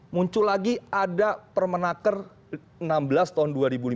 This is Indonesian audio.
muncul lagi ada permenaker enam belas tahun dua ribu lima belas